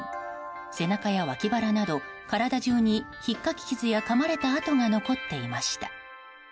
背中や脇腹など体中にひっかき傷やかまれた痕が残っていました。